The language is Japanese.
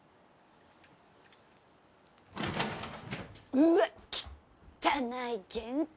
うわっきったない玄関。